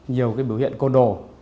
nhiều cái biểu hiện côn đồ